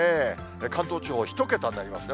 関東地方、１桁になりますね。